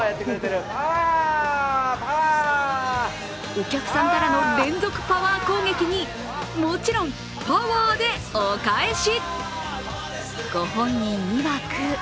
お客さんからの連続パワー攻撃にもちろんパワーでお返し。